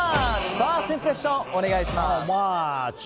ファーストインプレッションお願いします。